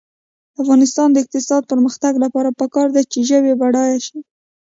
د افغانستان د اقتصادي پرمختګ لپاره پکار ده چې ژبې بډایه شي.